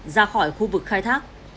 ra khỏi khu vực khai thác